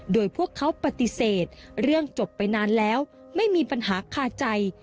โดยพวกเขาปฏิเสธเรื่องจบไปนานแล้วไม่มีปัญหาคาใจ